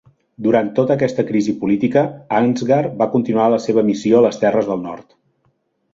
Durant tota aquesta crisi política, Ansgar va continuar la seva missió a les terres del nord.